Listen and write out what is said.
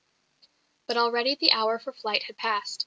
But already the hour for flight had passed.